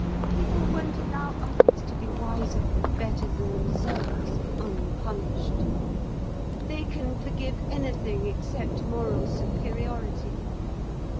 People won't allow others to be wiser and better than themselves, unpunished. They can forgive anything except moral superiority.